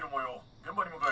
現場に向かえ。